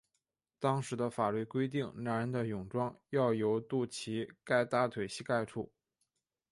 当时的法律规定男人的泳装要由肚脐盖大腿膝盖处。